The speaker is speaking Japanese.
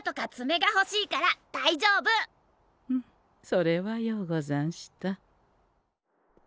それはようござんした。